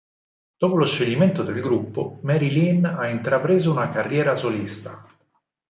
Dopo lo scioglimento del gruppo, Mari-Leen ha intrapreso una carriera solista.